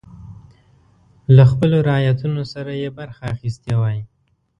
له خپلو رعیتو سره یې برخه اخیستې وای.